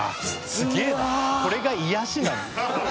すげえなこれが癒やしなの？